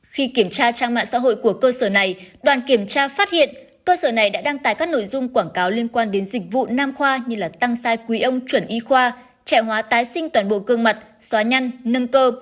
khi kiểm tra trang mạng xã hội của cơ sở này đoàn kiểm tra phát hiện cơ sở này đã đăng tải các nội dung quảng cáo liên quan đến dịch vụ nam khoa như tăng sai quý ông chuẩn y khoa trẻ hóa tái sinh toàn bộ gương mặt xóa nhăn nâng cơ